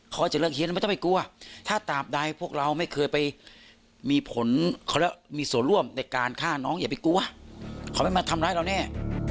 เขาไม่มาทำร้ายเราแน่